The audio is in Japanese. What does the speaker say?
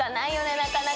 なかなか。